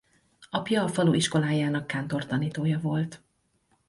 Apja a falu iskolájának kántortanítója volt.